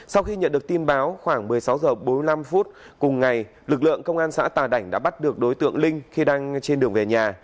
sau khi nhận được tin báo khoảng một mươi sáu h bốn mươi năm phút cùng ngày lực lượng công an xã tà đảnh đã bắt được đối tượng linh khi đang trên đường về nhà